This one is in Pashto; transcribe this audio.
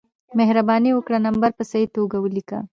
مهربانې وکړه نمبر په صحیح توګه ولېکه